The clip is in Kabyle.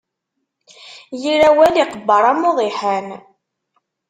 Yir awal iqebbeṛ am uḍiḥan.